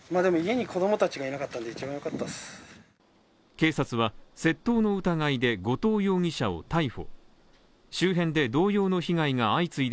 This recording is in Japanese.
警察は、窃盗の疑いで後藤容疑者を逮捕。